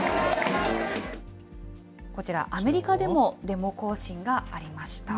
こちら、アメリカでもデモ行進がありました。